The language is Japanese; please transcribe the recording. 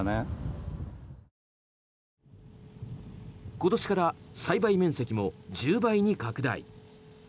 今年から栽培面積も１０倍に拡大。